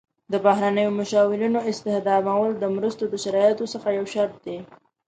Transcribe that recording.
د بهرنیو مشاورینو استخدامول د مرستو د شرایطو څخه یو شرط دی.